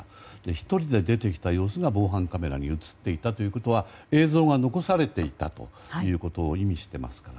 １人で出てきた様子が防犯カメラに映っていたということは映像が残されていたということを意味していますから。